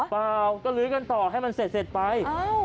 เปล่าก็ลื้อกันต่อให้มันเสร็จไป